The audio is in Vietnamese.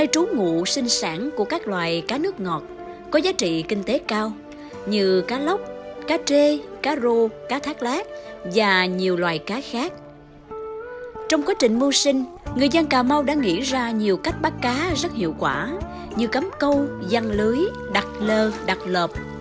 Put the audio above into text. trong quá trình mưu sinh người dân cà mau đã nghĩ ra nhiều cách bắt cá rất hiệu quả như cấm câu răng lưới đặt lơ đặt lợp